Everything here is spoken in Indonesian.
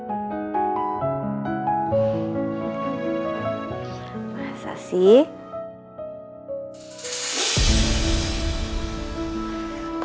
iya saya the ok session akhirnya